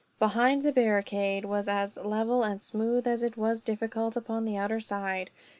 Behind, the barricade was as level and smooth as it was difficult upon the outer side.